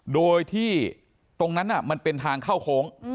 โดยที่ตรงนั้นมันเป็นทางเข้าโค้ง